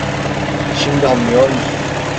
Şimdi anlıyor musun?